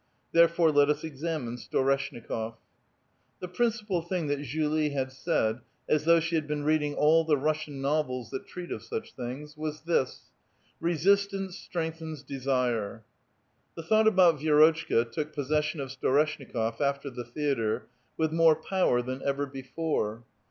Therefore let us examine Storeshnikof ! The principal thing that Julie had said — as though she had been reading all the Russian novels that treat of such things — was this. Resistance strengthens desire. The thought about Vi^rotchka took possession of Storesh nikof after the theatre with more power than ever before.